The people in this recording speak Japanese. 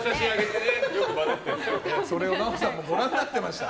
それを奈緒さんもご覧になっていました。